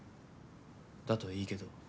だといいけど。